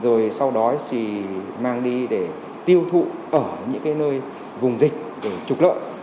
rồi sau đó thì mang đi để tiêu thụ ở những nơi vùng dịch để trục lợi